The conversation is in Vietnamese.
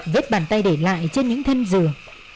vết bàn tay để lại trên những thân dừa